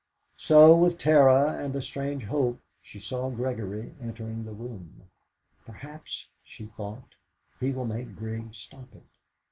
So, with terror and a strange hope, she saw Gregory entering the room. "Perhaps," she thought, "he will make Grig stop it."